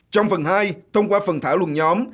trong phần hai thông qua phần thảo luận nhóm